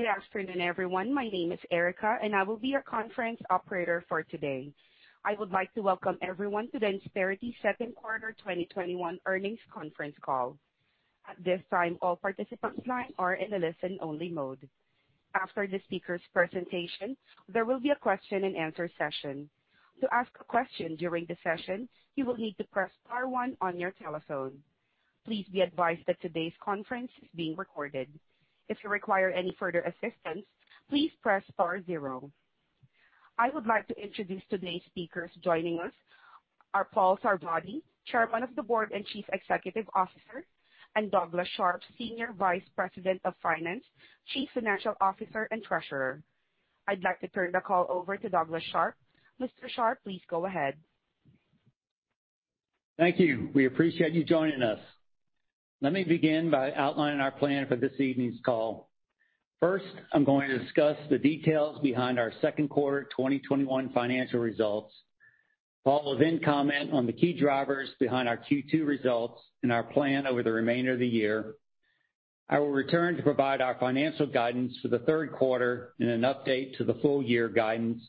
Good afternoon, everyone. My name is Erica, and I will be your conference operator for today. I would like to welcome everyone to the Insperity second quarter 2021 earnings conference call. At this time, all participants line are in a listen-only mode. After the speaker's presentation, there will be a question and answer session. To ask a question during the session, you will need to press star one on your telephone. Please be advised that today's conference is being recorded. If you require any further assistance, please press star zero. I would like to introduce today's speakers. Joining us are Paul Sarvadi, Chairman of the Board and Chief Executive Officer, and Douglas Sharp, Senior Vice President of Finance, Chief Financial Officer, and Treasurer. I'd like to turn the call over to Douglas Sharp. Mr. Sharp, please go ahead. Thank you. We appreciate you joining us. Let me begin by outlining our plan for this evening's call. First, I'm going to discuss the details behind our second quarter 2021 financial results. Paul will then comment on the key drivers behind our Q2 results and our plan over the remainder of the year. I will return to provide our financial guidance for the third quarter and an update to the full year guidance.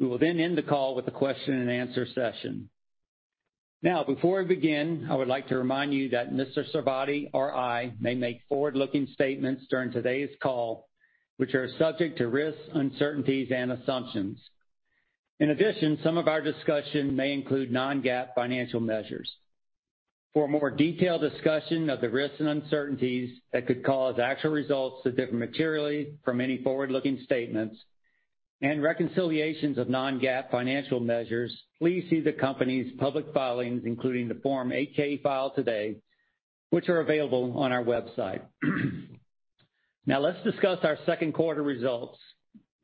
We will then end the call with a question and answer session. Before we begin, I would like to remind you that Mr. Sarvadi or I may make forward-looking statements during today's call, which are subject to risks, uncertainties, and assumptions. In addition, some of our discussion may include non-GAAP financial measures. For a more detailed discussion of the risks and uncertainties that could cause actual results to differ materially from any forward-looking statements and reconciliations of non-GAAP financial measures, please see the company's public filings including the Form 8-K filed today, which are available on our website. Now let's discuss our second quarter results.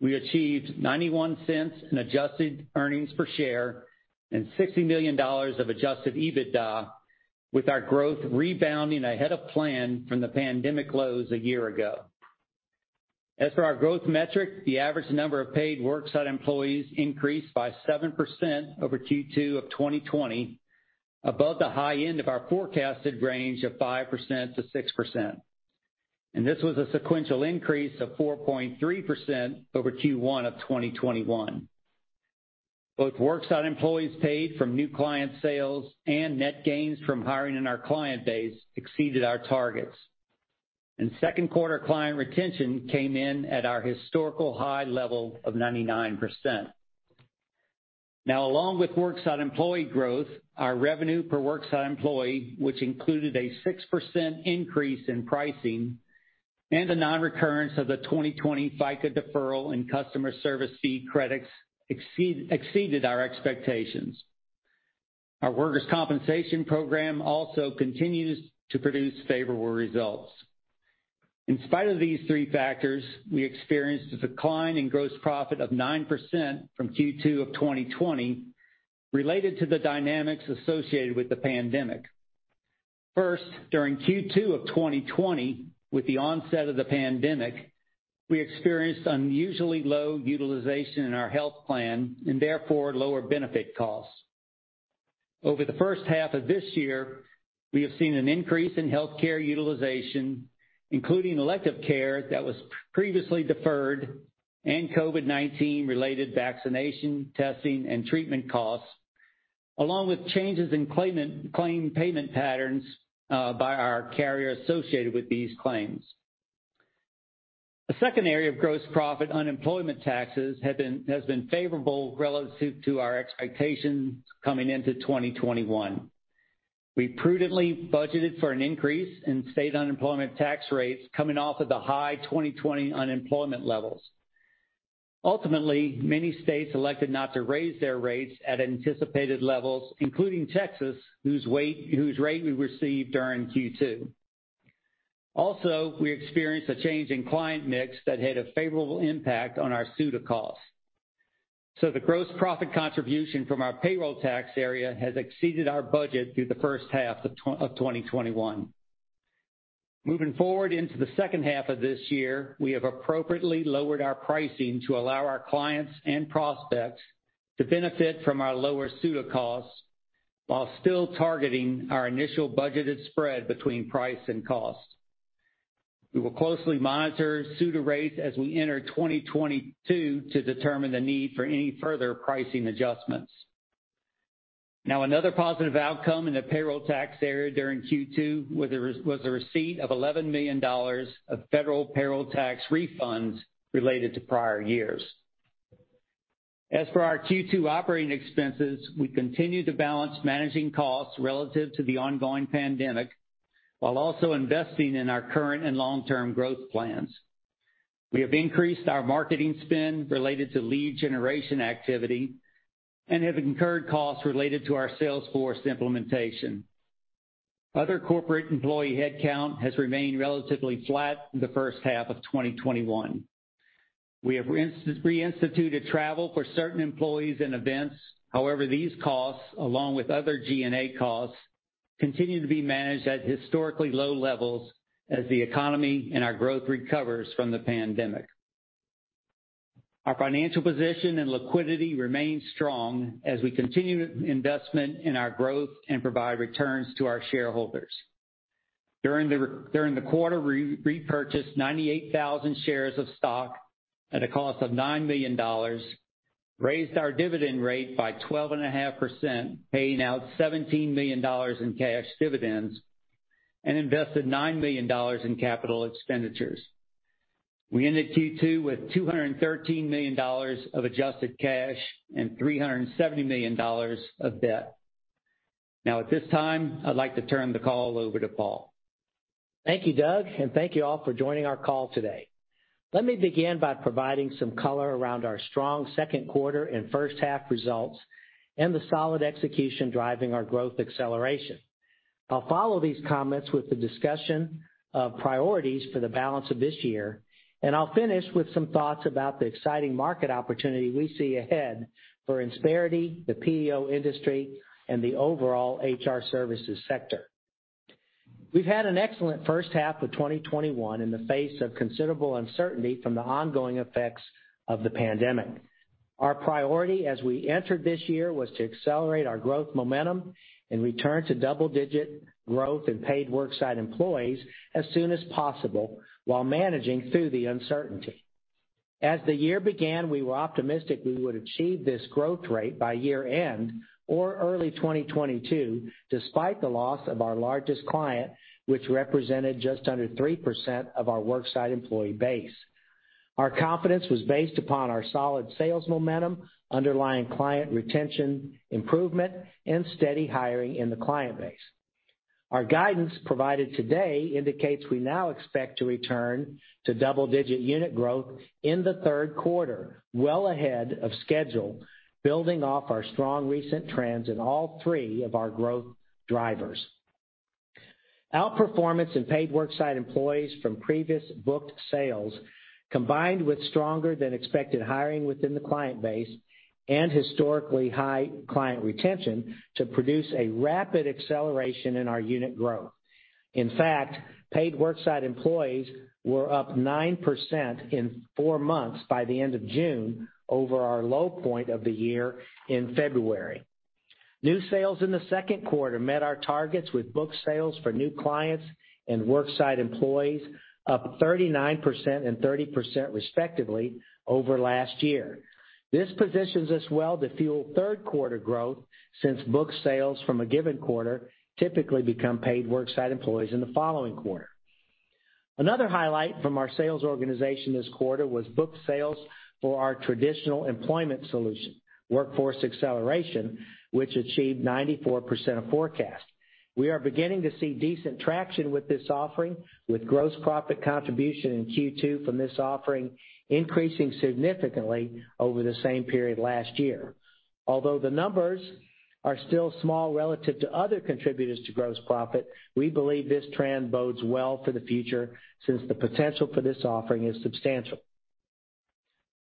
We achieved $0.91 in adjusted earnings per share and $60 million of adjusted EBITDA, with our growth rebounding ahead of plan from the pandemic lows a year ago. As for our growth metric, the average number of paid worksite employees increased by seven percent over Q2 of 2020, above the high end of our forecasted range of five percent to six percent. This was a sequential increase of four point three percent over Q1 of 2021. Both worksite employees paid from new client sales and net gains from hiring in our client base exceeded our targets. Second quarter client retention came in at our historical high level of 99%. Along with worksite employee growth, our revenue per worksite employee, which included a six percent increase in pricing and the non-recurrence of the 2020 FICA deferral and customer service fee credits, exceeded our expectations. Our workers' compensation program also continues to produce favorable results. In spite of these three factors, we experienced a decline in gross profit of nine percent from Q2 of 2020 related to the dynamics associated with the pandemic. First, during Q2 of 2020, with the onset of the pandemic, we experienced unusually low utilization in our health plan and therefore lower benefit costs. Over the first half of this year, we have seen an increase in healthcare utilization, including elective care that was previously deferred and COVID-19 related vaccination, testing, and treatment costs, along with changes in claim payment patterns by our carrier associated with these claims. The second area of gross profit, unemployment taxes, has been favorable relative to our expectations coming into 2021. We prudently budgeted for an increase in state unemployment tax rates coming off of the high 2020 unemployment levels. Ultimately, many states elected not to raise their rates at anticipated levels, including Texas, whose rate we received during Q2. Also, we experienced a change in client mix that had a favorable impact on our SUTA costs. The gross profit contribution from our payroll tax area has exceeded our budget through the first half of 2021. Moving forward into the second half of this year, we have appropriately lowered our pricing to allow our clients and prospects to benefit from our lower SUTA costs while still targeting our initial budgeted spread between price and costs. We will closely monitor SUTA rates as we enter 2022 to determine the need for any further pricing adjustments. Now another positive outcome in the payroll tax area during Q2 was the receipt of $11 million of federal payroll tax refunds related to prior years. As for our Q2 operating expenses, we continue to balance managing costs relative to the ongoing pandemic while also investing in our current and long-term growth plans. We have increased our marketing spend related to lead generation activity and have incurred costs related to our Salesforce implementation. Other corporate employee headcount has remained relatively flat in the first half of 2021. We have reinstituted travel for certain employees and events. However, these costs, along with other G&A costs, continue to be managed at historically low levels as the economy and our growth recovers from the pandemic. Our financial position and liquidity remains strong as we continue investment in our growth and provide returns to our shareholders. During the quarter, we repurchased 98,000 shares of stock at a cost of $9 million, raised our dividend rate by 12.5%, paying out $17 million in cash dividends, and invested $9 million in capital expenditures. We ended Q2 with $213 million of adjusted cash and $370 million of debt. Now at this time, I'd like to turn the call over to Paul. Thank you, Doug, and thank you all for joining our call today. Let me begin by providing some color around our strong second quarter and first half results and the solid execution driving our growth acceleration. I'll follow these comments with the discussion of priorities for the balance of this year, and I'll finish with some thoughts about the exciting market opportunity we see ahead for Insperity, the PEO industry, and the overall HR services sector. We've had an excellent first half of 2021 in the face of considerable uncertainty from the ongoing effects of the pandemic. Our priority as we entered this year was to accelerate our growth momentum and return to double-digit growth in paid worksite employees as soon as possible while managing through the uncertainty. As the year began, we were optimistic we would achieve this growth rate by year-end or early 2022, despite the loss of our largest client, which represented just under three percent of our worksite employee base. Our confidence was based upon our solid sales momentum, underlying client retention improvement, and steady hiring in the client base. Our guidance provided today indicates we now expect to return to double-digit unit growth in the third quarter, well ahead of schedule, building off our strong recent trends in all three of our growth drivers. Outperformance in paid worksite employees from previous booked sales, combined with stronger than expected hiring within the client base and historically high client retention to produce a rapid acceleration in our unit growth. In fact, paid worksite employees were up nine percent in four months by the end of June over our low point of the year in February. New sales in the second quarter met our targets with booked sales for new clients and worksite employees up 39% and 30% respectively over last year. This positions us well to fuel third quarter growth since booked sales from a given quarter typically become paid worksite employees in the following quarter. Another highlight from our sales organization this quarter was booked sales for our traditional employment solution, Workforce Acceleration, which achieved 94% of forecast. We are beginning to see decent traction with this offering, with gross profit contribution in Q2 from this offering increasing significantly over the same period last year. Although the numbers are still small relative to other contributors to gross profit, we believe this trend bodes well for the future since the potential for this offering is substantial.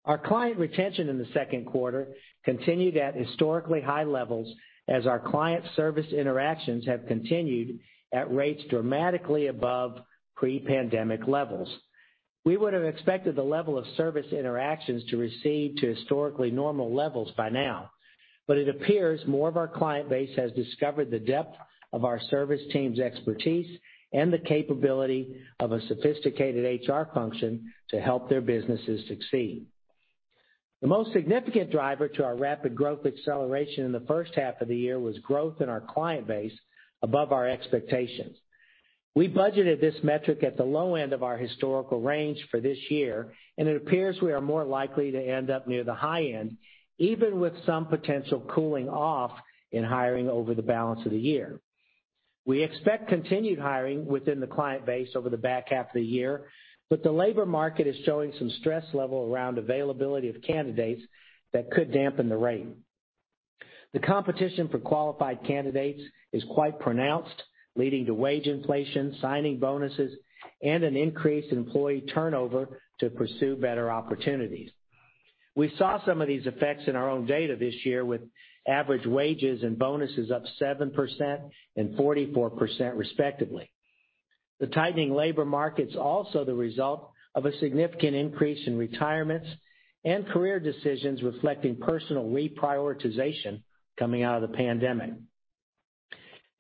Our client retention in the second quarter continued at historically high levels as our client service interactions have continued at rates dramatically above pre-pandemic levels. We would have expected the level of service interactions to recede to historically normal levels by now. It appears more of our client base has discovered the depth of our service team's expertise and the capability of a sophisticated HR function to help their businesses succeed. The most significant driver to our rapid growth acceleration in the first half of the year was growth in our client base above our expectations. We budgeted this metric at the low end of our historical range for this year, it appears we are more likely to end up near the high end, even with some potential cooling off in hiring over the balance of the year. We expect continued hiring within the client base over the back half of the year, but the labor market is showing some stress level around availability of candidates that could dampen the rate. The competition for qualified candidates is quite pronounced, leading to wage inflation, signing bonuses, and an increased employee turnover to pursue better opportunities. We saw some of these effects in our own data this year with average wages and bonuses up seven percent and 44% respectively. The tightening labor market's also the result of a significant increase in retirements and career decisions reflecting personal reprioritization coming out of the pandemic.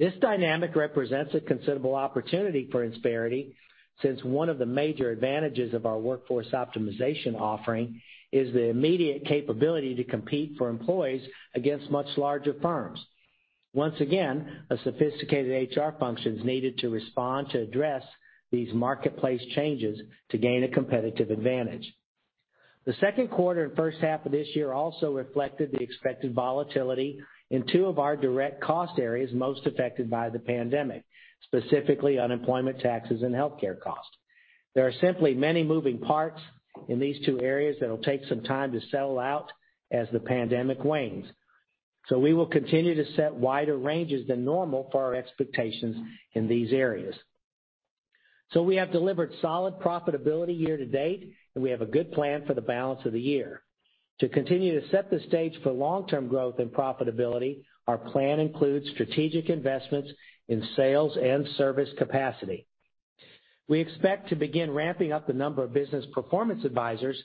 This dynamic represents a considerable opportunity for Insperity, since one of the major advantages of our Workforce Optimization offering is the immediate capability to compete for employees against much larger firms. Once again, a sophisticated HR function is needed to respond to address these marketplace changes to gain a competitive advantage. The second quarter and first half of this year also reflected the expected volatility in two of our direct cost areas most affected by the pandemic, specifically unemployment taxes and healthcare costs. There are simply many moving parts in these two areas that'll take some time to settle out as the pandemic wanes. We will continue to set wider ranges than normal for our expectations in these areas. We have delivered solid profitability year to date, and we have a good plan for the balance of the year. To continue to set the stage for long-term growth and profitability, our plan includes strategic investments in sales and service capacity. We expect to begin ramping up the number of Business Performance Advisors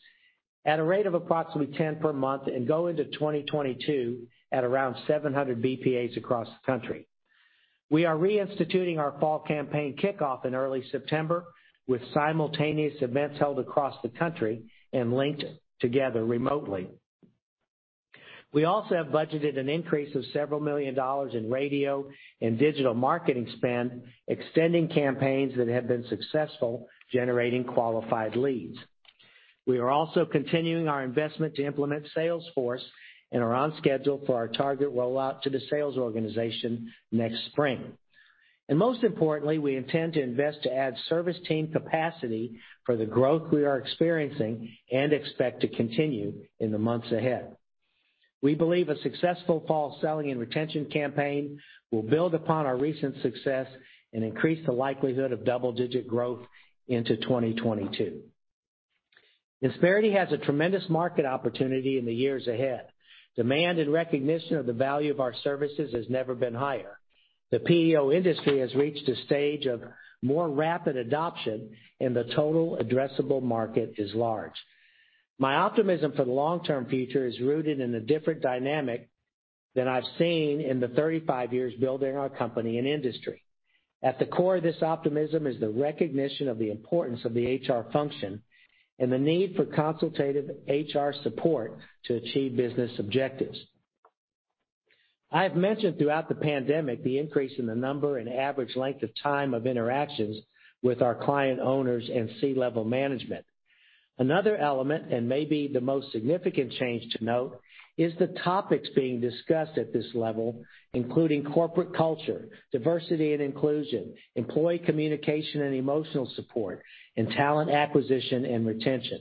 at a rate of approximately 10 per month and go into 2022 at around 700 BPAs across the country. We are reinstituting our fall campaign kickoff in early September, with simultaneous events held across the country and linked together remotely. We also have budgeted an increase of several million dollars in radio and digital marketing spend, extending campaigns that have been successful generating qualified leads. We are also continuing our investment to implement Salesforce and are on schedule for our target rollout to the sales organization next spring. Most importantly, we intend to invest to add service team capacity for the growth we are experiencing and expect to continue in the months ahead. We believe a successful fall selling and retention campaign will build upon our recent success and increase the likelihood of double-digit growth into 2022. Insperity has a tremendous market opportunity in the years ahead. Demand and recognition of the value of our services has never been higher. The PEO industry has reached a stage of more rapid adoption, and the total addressable market is large. My optimism for the long-term future is rooted in a different dynamic than I've seen in the 35 years building our company and industry. At the core of this optimism is the recognition of the importance of the HR function and the need for consultative HR support to achieve business objectives. I have mentioned throughout the pandemic the increase in the number and average length of time of interactions with our client owners and C-level management. Another element, maybe the most significant change to note, is the topics being discussed at this level, including corporate culture, diversity and inclusion, employee communication and emotional support, and talent acquisition and retention.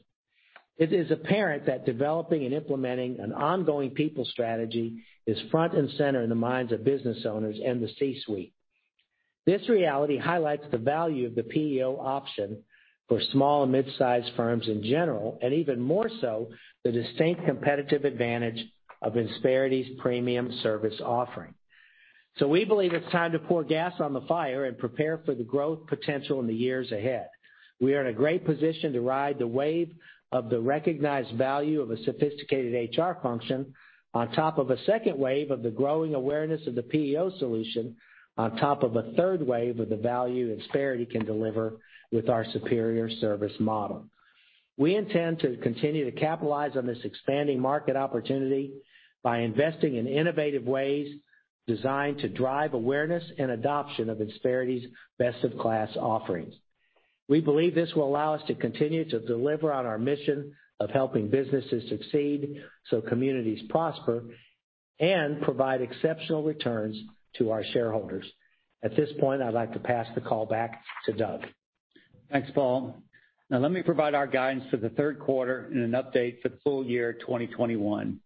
It is apparent that developing and implementing an ongoing people strategy is front and center in the minds of business owners and the C-suite. This reality highlights the value of the PEO option for small and mid-sized firms in general, and even more so, the distinct competitive advantage of Insperity's premium service offering. We believe it's time to pour gas on the fire and prepare for the growth potential in the years ahead. We are in a great position to ride the wave of the recognized value of a sophisticated HR function, on top of a second wave of the growing awareness of the PEO solution, on top of a third wave of the value Insperity can deliver with our superior service model. We intend to continue to capitalize on this expanding market opportunity by investing in innovative ways designed to drive awareness and adoption of Insperity's best-of-class offerings. We believe this will allow us to continue to deliver on our mission of helping businesses succeed so communities prosper and provide exceptional returns to our shareholders. At this point, I'd like to pass the call back to Doug. Thanks, Paul. Now let me provide our guidance for the third quarter and an update for the full year 2021.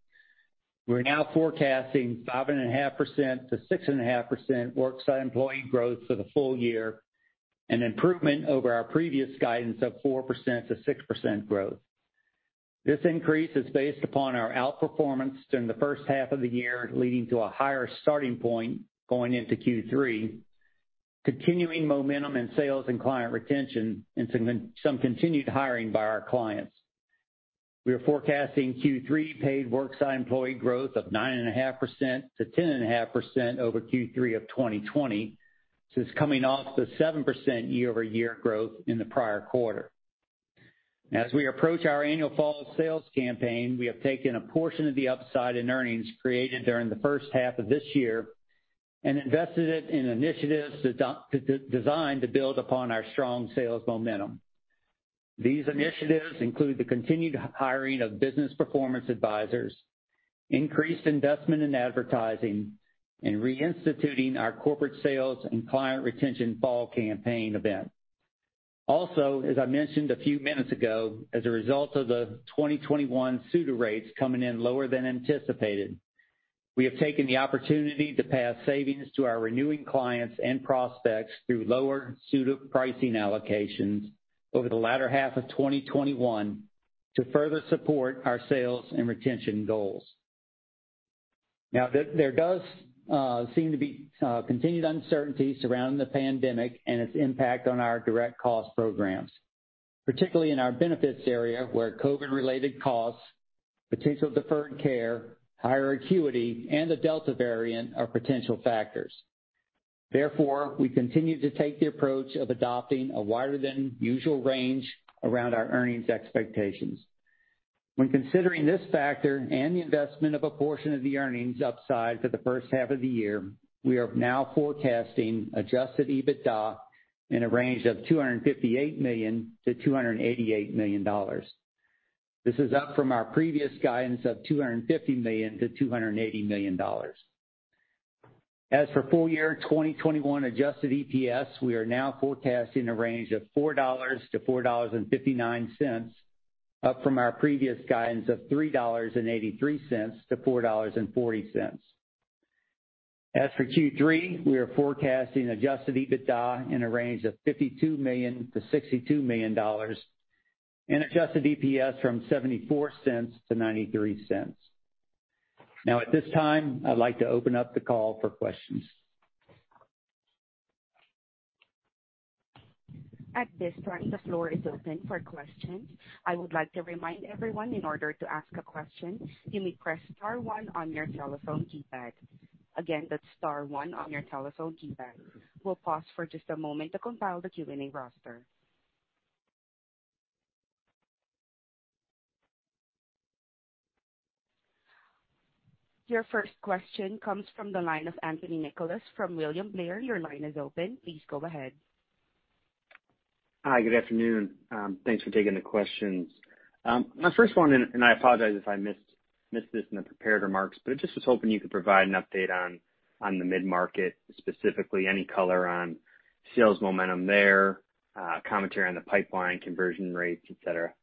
We're now forecasting five and a half percent to six and a half percent worksite employee growth for the full year, an improvement over our previous guidance of four percent to six percent growth. This increase is based upon our outperformance during the first half of the year, leading to a higher starting point going into Q3, continuing momentum in sales and client retention, and some continued hiring by our clients. We are forecasting Q3 paid worksite employee growth of nine and a half percent to 10.5% over Q3 of 2020. This is coming off the seven percent year-over-year growth in the prior quarter. As we approach our annual fall sales campaign, we have taken a portion of the upside in earnings created during the first half of this year and invested it in initiatives designed to build upon our strong sales momentum. These initiatives include the continued hiring of Business Performance Advisors, increased investment in advertising, and reinstituting our corporate sales and client retention fall campaign event. As I mentioned a few minutes ago, as a result of the 2021 SUTA rates coming in lower than anticipated, we have taken the opportunity to pass savings to our renewing clients and prospects through lower SUTA pricing allocations over the latter half of 2021 to further support our sales and retention goals. There does seem to be continued uncertainty surrounding the pandemic and its impact on our direct cost programs, particularly in our benefits area, where COVID-related costs, potential deferred care, higher acuity, and the Delta variant are potential factors. We continue to take the approach of adopting a wider than usual range around our earnings expectations. When considering this factor and the investment of a portion of the earnings upside for the first half of the year, we are now forecasting adjusted EBITDA in a range of $258 million-$288 million. This is up from our previous guidance of $250 million-$280 million. As for full year 2021 adjusted EPS, we are now forecasting a range of $4-$4.59, up from our previous guidance of $3.83-$4.40. As for Q3, we are forecasting adjusted EBITDA in a range of $52 million-$62 million and adjusted EPS from $0.74-$0.93. Now at this time, I'd like to open up the call for questions. At this time, the floor is open for questions. I would like to remind everyone in order to ask a question, you may press star one on your telephone keypad. Again, that's star one on your telephone keypad. We'll pause for just a moment to compile the Q&A roster. Your first question comes from the line of Andrew Nicholas from William Blair. Your line is open. Please go ahead. Hi. Good afternoon. Thanks for taking the questions. My first one, and I apologize if I missed this in the prepared remarks, but I just was hoping you could provide an update on the mid-market, specifically any color on sales momentum there, commentary on the pipeline, conversion rates, et cetera.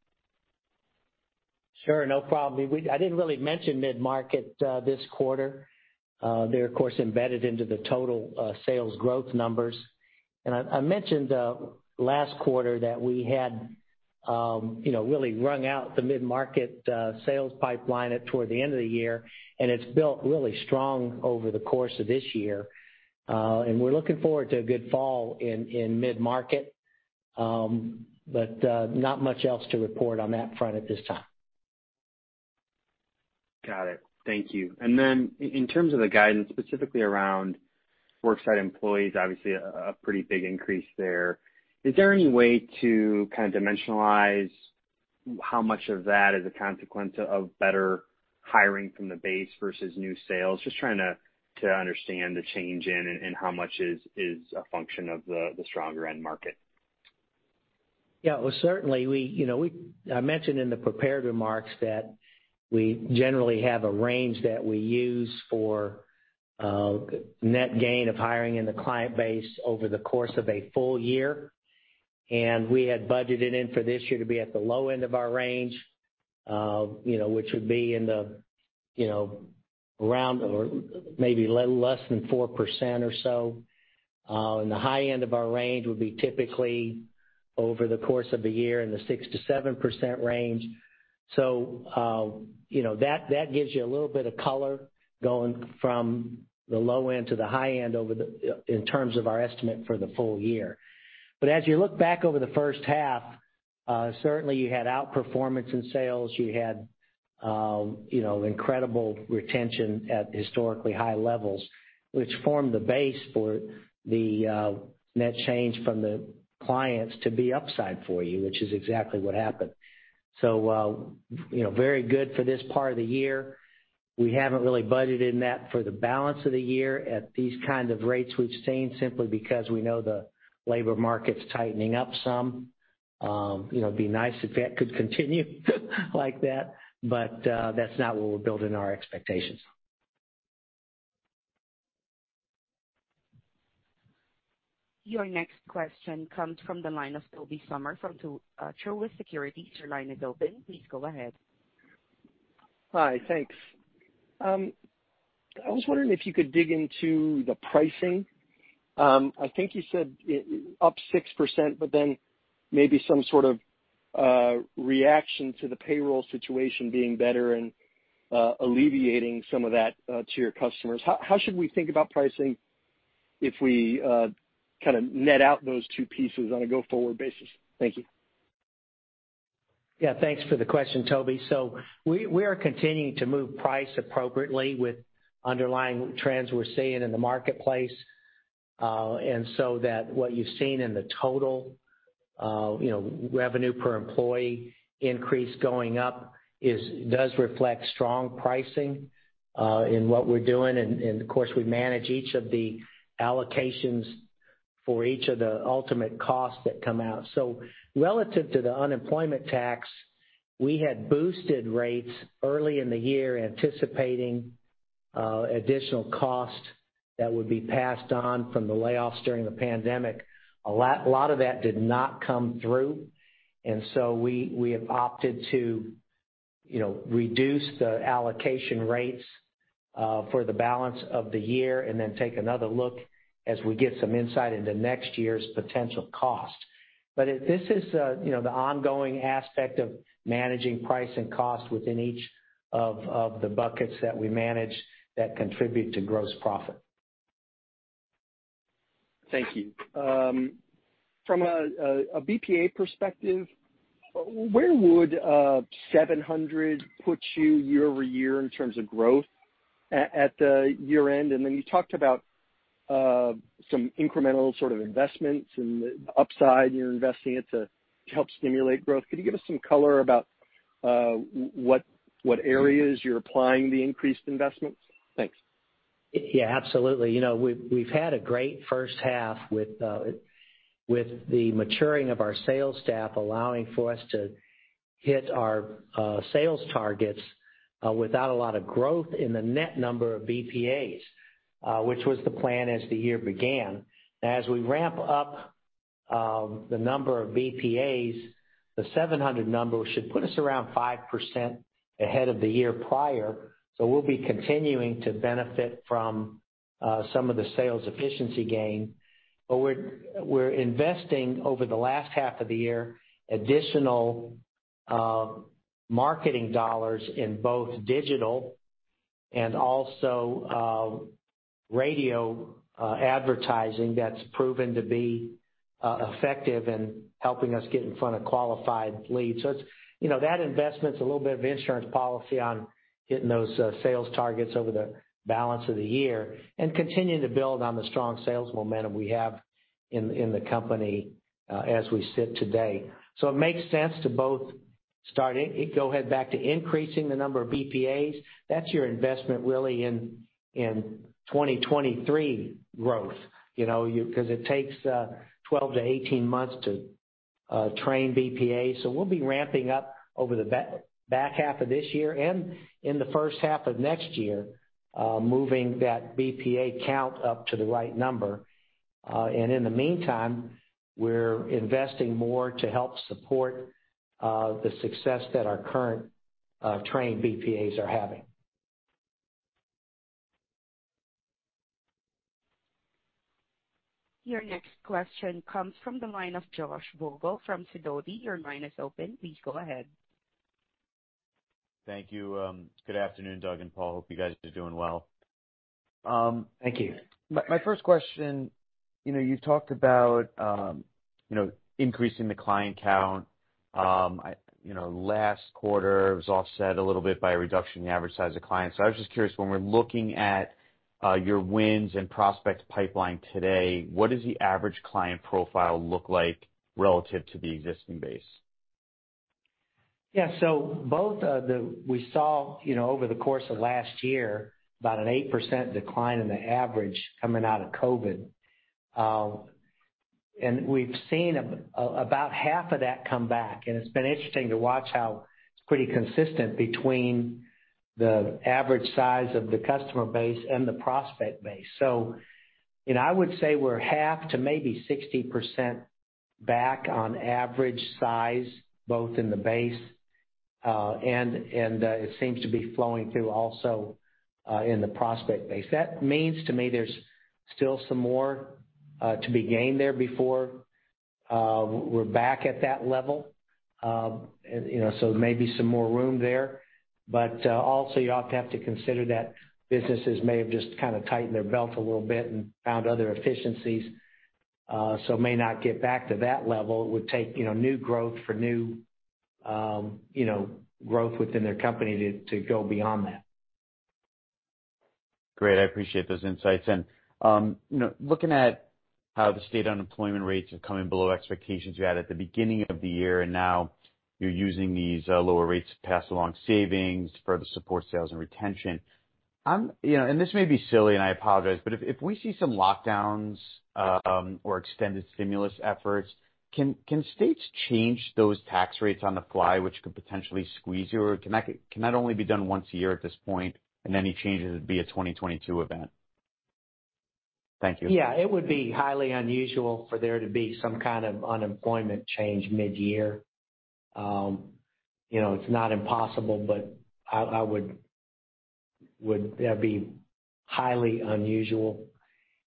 Sure. No problem. I didn't really mention mid-market this quarter. They're, of course, embedded into the total sales growth numbers. I mentioned last quarter that we had really wrung out the mid-market sales pipeline toward the end of the year, and it's built really strong over the course of this year. We're looking forward to a good fall in mid-market. Not much else to report on that front at this time. Got it. Thank you. Then in terms of the guidance, specifically around worksite employees, obviously a pretty big increase there. Is there any way to kind of dimensionalize how much of that is a consequence of better hiring from the base versus new sales? Just trying to understand the change in and how much is a function of the stronger end market. Yeah. Well, certainly. I mentioned in the prepared remarks that we generally have a range that we use for net gain of hiring in the client base over the course of a full year. We had budgeted in for this year to be at the low end of our range, which would be in the around or maybe less than four percent or so. The high end of our range would be typically over the course of the year in the six to seven percent range. That gives you a little bit of color going from the low end to the high end in terms of our estimate for the full year. As you look back over the first half, certainly you had outperformance in sales. You had incredible retention at historically high levels, which formed the base for the net change from the clients to be upside for you, which is exactly what happened. Very good for this part of the year. We haven't really budgeted in that for the balance of the year at these kinds of rates we've seen simply because we know the labor market's tightening up some. It'd be nice if that could continue like that, but that's not what we're building our expectations on. Your next question comes from the line of Tobey Sommer from Truist Securities. Your line is open. Please go ahead. Hi. Thanks. I was wondering if you could dig into the pricing. I think you said up six percent, but then maybe some sort of reaction to the payroll situation being better and alleviating some of that to your customers. How should we think about pricing if we kind of net out those two pieces on a go-forward basis? Thank you. Yeah. Thanks for the question, Tobey. We are continuing to move price appropriately with underlying trends we're seeing in the marketplace. That what you've seen in the total revenue per employee increase going up does reflect strong pricing in what we're doing. Of course, we manage each of the allocations for each of the ultimate costs that come out. Relative to the unemployment tax, we had boosted rates early in the year anticipating additional cost that would be passed on from the layoffs during the pandemic. A lot of that did not come through, and so we have opted to reduce the allocation rates for the balance of the year and then take another look as we get some insight into next year's potential cost. This is the ongoing aspect of managing price and cost within each of the buckets that we manage that contribute to gross profit. Thank you. From a BPA perspective, where would 700 put you year-over-year in terms of growth at the year-end? Then you talked about some incremental sort of investments and the upside you're investing in to help stimulate growth. Could you give us some color about what areas you're applying the increased investments? Thanks. Yeah, absolutely. We've had a great first half with the maturing of our sales staff, allowing for us to hit our sales targets without a lot of growth in the net number of BPAs, which was the plan as the year began. As we ramp up the number of BPAs, the 700 number should put us around five percent ahead of the year prior. We'll be continuing to benefit from some of the sales efficiency gain. We're investing over the last half of the year, additional marketing dollars in both digital and also radio advertising that's proven to be effective in helping us get in front of qualified leads. That investment's a little bit of insurance policy on getting those sales targets over the balance of the year and continuing to build on the strong sales momentum we have in the company as we sit today. It makes sense to both go ahead back to increasing the number of BPAs. That's your investment really in 2023 growth because it takes 12 to 18 months to train BPAs. We'll be ramping up over the back half of this year and in the first half of next year, moving that BPA count up to the right number. In the meantime, we're investing more to help support the success that our current trained BPAs are having. Your next question comes from the line of Josh Vogel from Sidoti. Your line is open. Please go ahead. Thank you. Good afternoon, Doug and Paul. Hope you guys are doing well. Thank you. My first question, you talked about increasing the client count. Last quarter it was offset a little bit by a reduction in the average size of clients. I was just curious, when we're looking at your wins and prospect pipeline today, what does the average client profile look like relative to the existing base? Yeah. We saw over the course of last year, about an eight percent decline in the average coming out of COVID. We've seen about half of that come back, and it's been interesting to watch how it's pretty consistent between the average size of the customer base and the prospect base. I would say we're half to maybe 60% back on average size, both in the base, and it seems to be flowing through also in the prospect base. That means to me there's still some more to be gained there before we're back at that level. There may be some more room there. Also you often have to consider that businesses may have just tightened their belt a little bit and found other efficiencies, so may not get back to that level. It would take new growth for new growth within their company to go beyond that. Great. I appreciate those insights. Looking at how the state unemployment rates are coming below expectations you had at the beginning of the year, now you're using these lower rates to pass along savings to further support sales and retention. This may be silly, and I apologize, but if we see some lockdowns or extended stimulus efforts, can states change those tax rates on the fly, which could potentially squeeze you, or can that only be done once a year at this point, and any changes would be a 2022 event? Thank you. Yeah. It would be highly unusual for there to be some kind of unemployment change mid-year. It's not impossible, that'd be highly unusual.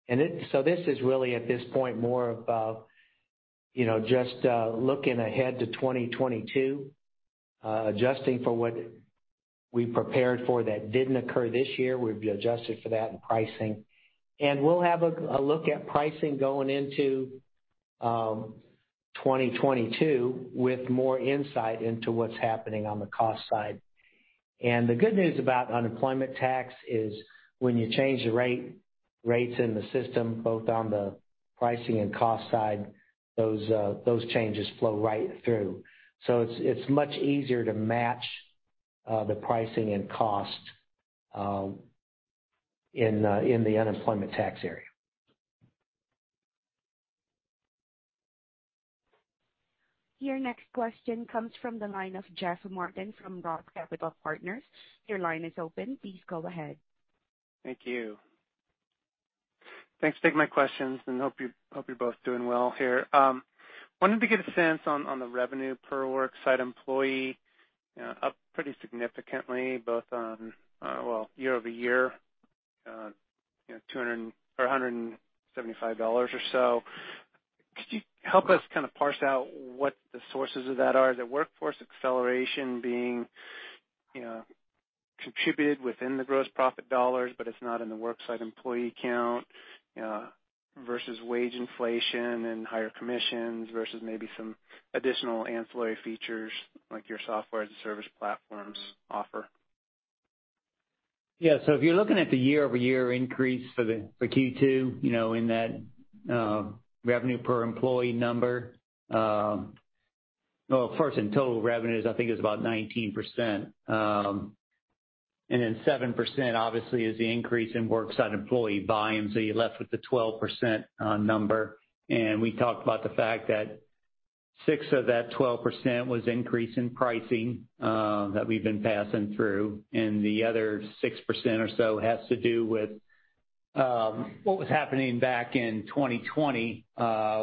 This is really, at this point, more about just looking ahead to 2022, adjusting for what we prepared for that didn't occur this year. We've adjusted for that in pricing. We'll have a look at pricing going into 2022 with more insight into what's happening on the cost side. The good news about unemployment tax is when you change the rates in the system, both on the pricing and cost side, those changes flow right through. It's much easier to match the pricing and cost in the unemployment tax area. Your next question comes from the line of Jeff Martin from Roth Capital Partners. Your line is open. Please go ahead. Thank you. Thanks for taking my questions, and hope you're both doing well here. Wanted to get a sense on the revenue per worksite employee, up pretty significantly, both year-over-year, $175 or so. Could you help us parse out what the sources of that are? Is it Workforce Acceleration being contributed within the gross profit dollars, but it's not in the worksite employee count versus wage inflation and higher commissions versus maybe some additional ancillary features like your software as a service platforms offer? Yeah. If you're looking at the year-over-year increase for Q2 in that revenue per employee number. First in total revenues, I think it was about 19%, and then seven percent obviously is the increase in worksite employee volume. You're left with the 12% number. We talked about the fact that six of that 12% was increase in pricing that we've been passing through, and the other six percent or so has to do with what was happening back in 2020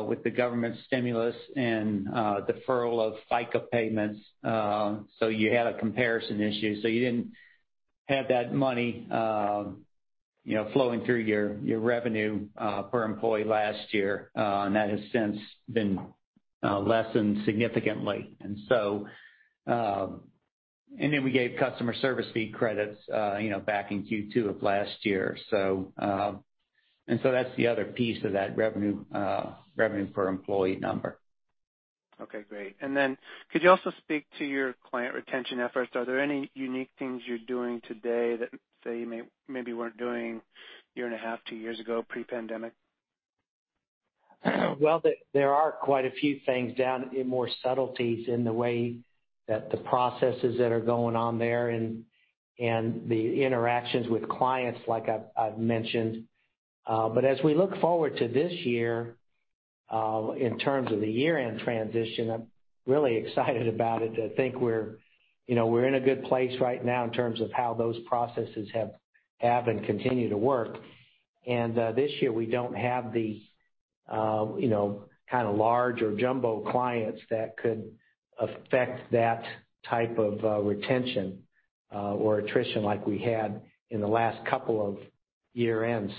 with the government stimulus and deferral of FICA payments, so you had a comparison issue. You didn't have that money flowing through your revenue per employee last year, and that has since been lessened significantly. We gave customer service fee credits back in Q2 of last year. That's the other piece of that revenue per employee number. Okay, great. Could you also speak to your client retention efforts? Are there any unique things you're doing today that, say, you maybe weren't doing a year and a half, two years ago, pre-pandemic? There are quite a few things down in more subtleties in the way that the processes that are going on there, and the interactions with clients like I've mentioned. As we look forward to this year, in terms of the year-end transition, I'm really excited about it. I think we're in a good place right now in terms of how those processes have and continue to work. This year we don't have the kind of large or jumbo clients that could affect that type of retention or attrition like we had in the last couple of year-ends.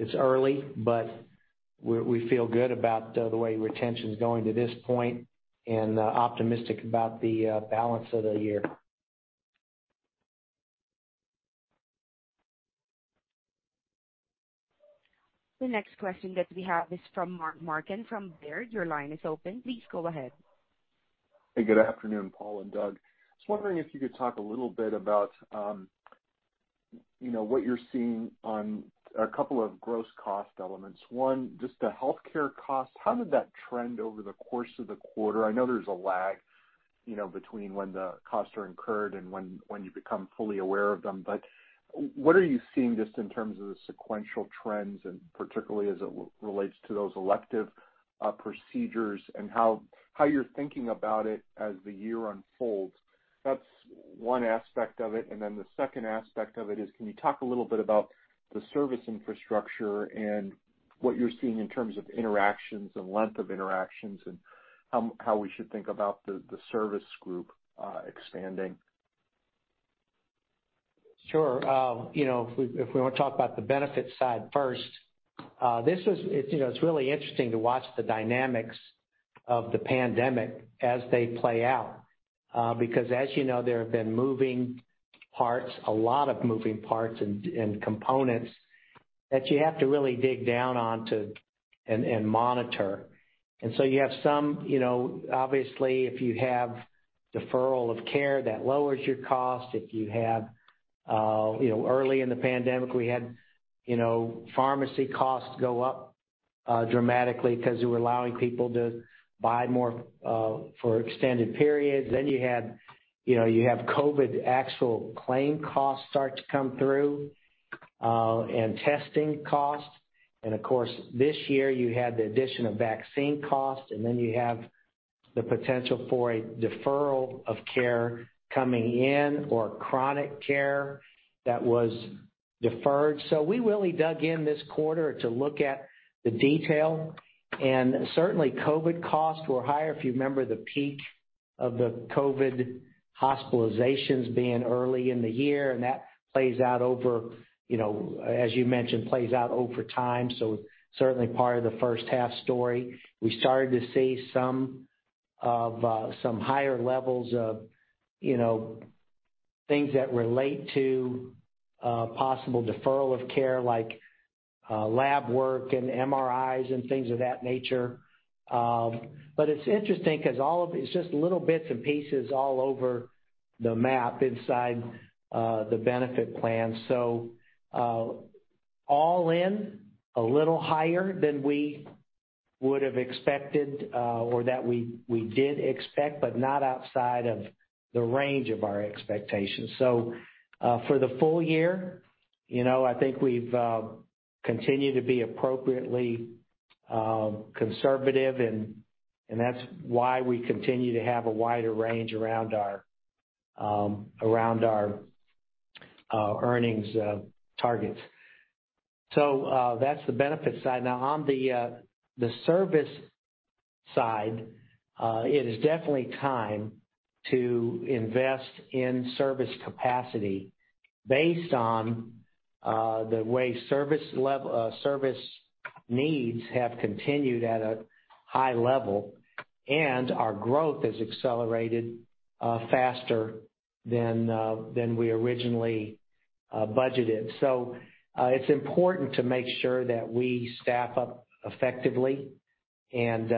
It's early, but we feel good about the way retention's going to this point, and optimistic about the balance of the year. The next question that we have is from Mark Marcon from Baird. Your line is open. Please go ahead. Hey, good afternoon, Paul and Doug. I was wondering if you could talk a little bit about what you're seeing on a couple of gross cost elements. One, just the healthcare cost, how did that trend over the course of the quarter? I know there's a lag between when the costs are incurred and when you become fully aware of them, but what are you seeing just in terms of the sequential trends, and particularly as it relates to those elective procedures, and how you're thinking about it as the year unfolds? That's one aspect of it. The second aspect of it is, can you talk a little bit about the service infrastructure and what you're seeing in terms of interactions and length of interactions, and how we should think about the service group expanding? Sure. If we want to talk about the benefits side first, it's really interesting to watch the dynamics of the pandemic as they play out. As you know, there have been moving parts, a lot of moving parts, and components that you have to really dig down on and monitor. You have some, obviously if you have deferral of care, that lowers your cost. Early in the pandemic, we had pharmacy costs go up dramatically because we were allowing people to buy more for extended periods. You have COVID actual claim costs start to come through, and testing costs. Of course, this year you had the addition of vaccine costs, and then you have the potential for a deferral of care coming in, or chronic care that was deferred. We really dug in this quarter to look at the detail. Certainly COVID costs were higher, if you remember the peak of the COVID hospitalizations being early in the year, and as you mentioned, plays out over time, certainly part of the first half story. We started to see some higher levels of things that relate to possible deferral of care, like lab work and MRIs and things of that nature. It is interesting because it is just little bits and pieces all over the map inside the benefit plan. All in, a little higher than we would have expected, or that we did expect, but not outside of the range of our expectations. For the full year, I think we have continued to be appropriately conservative, and that is why we continue to have a wider range around our earnings targets. That is the benefits side. On the service side, it is definitely time to invest in service capacity based on the way service needs have continued at a high level, and our growth has accelerated faster than we originally budgeted. It's important to make sure that we staff up effectively, and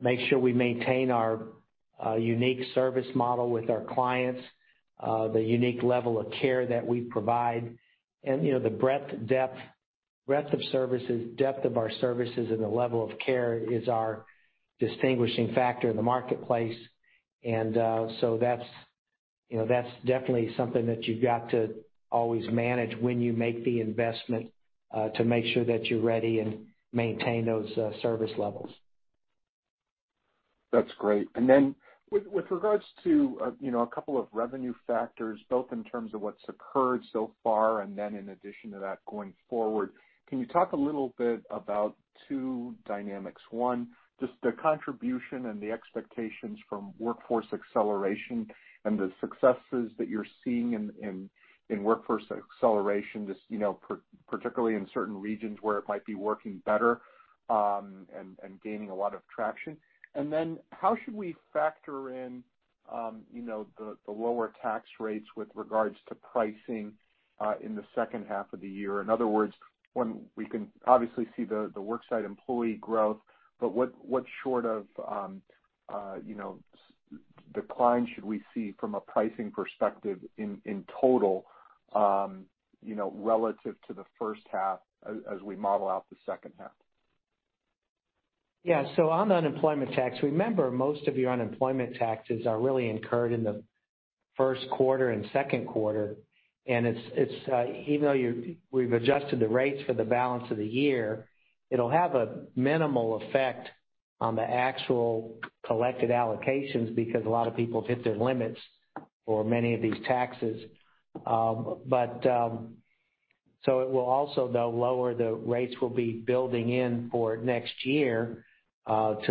make sure we maintain our unique service model with our clients, the unique level of care that we provide, and the breadth of services, depth of our services, and the level of care is our distinguishing factor in the marketplace. That's definitely something that you've got to always manage when you make the investment to make sure that you're ready and maintain those service levels. That's great. With regards to a couple of revenue factors, both in terms of what's occurred so far, and then in addition to that, going forward, can you talk a little bit about two dynamics? One, just the contribution and the expectations from Workforce Acceleration and the successes that you're seeing in Workforce Acceleration, just particularly in certain regions where it might be working better and gaining a lot of traction. How should we factor in the lower tax rates with regards to pricing in the second half of the year? In other words, when we can obviously see the worksite employee growth, but what short of decline should we see from a pricing perspective in total relative to the first half as we model out the second half? Yeah. On the unemployment tax, remember, most of your unemployment taxes are really incurred in the first quarter and second quarter. Even though we've adjusted the rates for the balance of the year, it'll have a minimal effect on the actual collected allocations because a lot of people hit their limits for many of these taxes. It will also, though, lower the rates we'll be building in for next year, which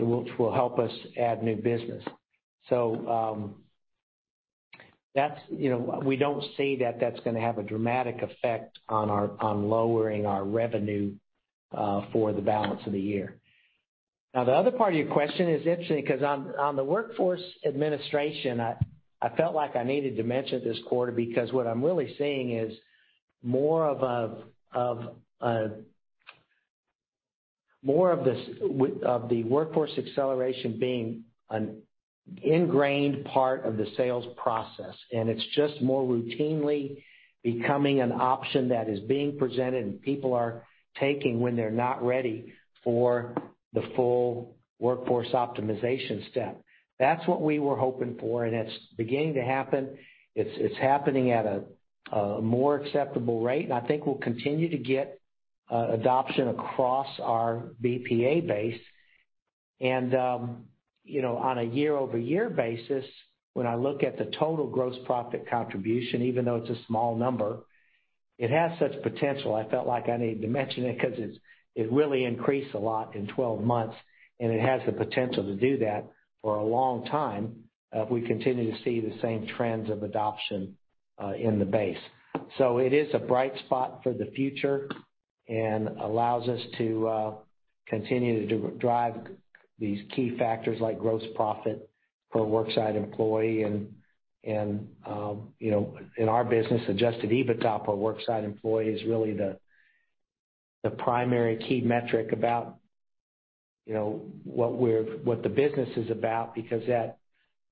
will help us add new business. We don't see that that's going to have a dramatic effect on lowering our revenue for the balance of the year. The other part of your question is interesting because on the Workforce Administration, I felt like I needed to mention this quarter because what I'm really seeing is more of the Workforce Acceleration being an ingrained part of the sales process, and it's just more routinely becoming an option that is being presented and people are taking when they're not ready for the full Workforce Optimization step. That's what we were hoping for, and it's beginning to happen. It's happening at a more acceptable rate, and I think we'll continue to get adoption across our BPA base. On a year-over-year basis, when I look at the total gross profit contribution, even though it's a small number, it has such potential, I felt like I needed to mention it because it really increased a lot in 12 months, and it has the potential to do that for a long time if we continue to see the same trends of adoption in the base. It is a bright spot for the future and allows us to continue to drive these key factors like gross profit per worksite employee and in our business, adjusted EBITDA per worksite employee is really the primary key metric about what the business is about because that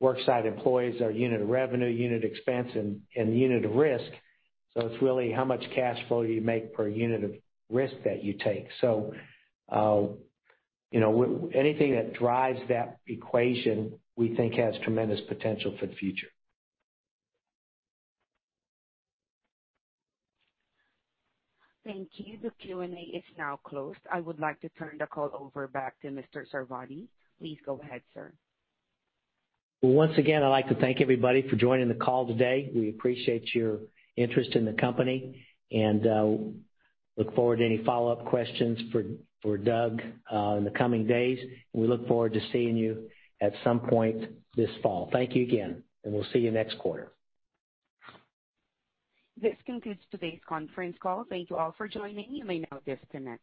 worksite employees are unit of revenue, unit expense, and unit of risk. It's really how much cash flow you make per unit of risk that you take. Anything that drives that equation we think has tremendous potential for the future. Thank you. The Q&A is now closed. I would like to turn the call over back to Mr. Sarvadi. Please go ahead, sir. Well, once again, I'd like to thank everybody for joining the call today. We appreciate your interest in the company and look forward to any follow-up questions for Doug in the coming days. We look forward to seeing you at some point this fall. Thank you again, and we'll see you next quarter. This concludes today's conference call. Thank you all for joining. You may now disconnect.